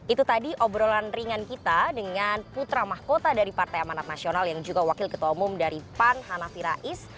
itu tadi obrolan ringan kita dengan putra mahkota dari partai amanat nasional yang juga wakil ketua umum dari pan hanafi rais